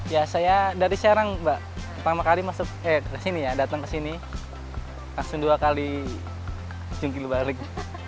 ya saya dari sekarang mbak pertama kali datang ke sini langsung dua kali jengkil balik